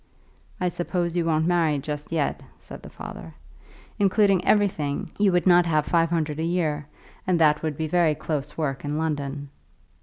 "I suppose you won't marry just yet," said the father. "Including everything, you would not have five hundred a year, and that would be very close work in London."